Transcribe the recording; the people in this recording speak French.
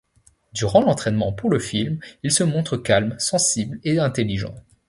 Durant l'entraînement pour le film, il se montre calme, sensible et intelligent.